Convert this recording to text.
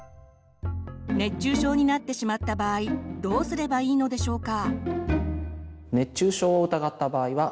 熱中症になってしまった場合どうすればいいのでしょうか？